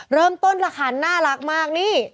เริ่มต้นระคันน่ารักมากนี่